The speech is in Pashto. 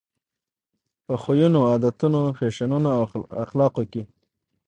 په خویونو، عادتونو، فیشنونو او اخلاقو کې.